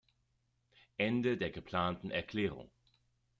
Ende der geplanten Erklärung.-